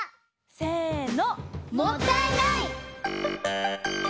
せの。